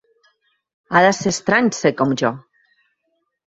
Ha de ser estrany ser com Jo!